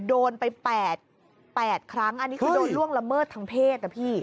โดนไป๘ครั้งอันนี้คือโดนล่วงละเมิดทางเพศนะพี่